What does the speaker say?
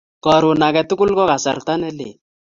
Karon age tugul ko kasarta ne lel